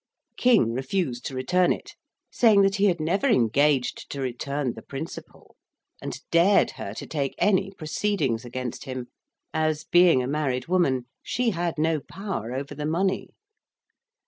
King refused to return it, saying that he had never engaged to return the principal; and dared her to take any proceedings against him, as, being a married woman, she had no power over the money.